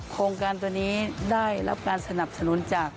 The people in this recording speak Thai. โครงการตัวนี้ได้รับการสนับสนุนจาก